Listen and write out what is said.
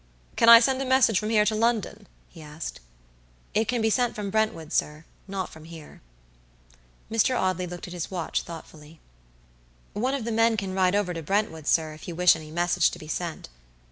"Can I send a message from here to London?" he asked. "It can be sent from Brentwood, sirnot from here." Mr. Audley looked at his watch thoughtfully. "One of the men can ride over to Brentwood, sir, if you wish any message to be sent."